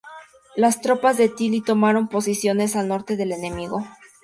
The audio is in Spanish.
Las tropas de Tilly tomaron posiciones al norte del enemigo.